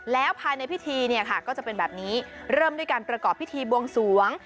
แล้วภายในพิธีเนี่ยค่ะก็จะเป็นแบบนี้เริ่มด้วยการประกอบพิธีบวงสวง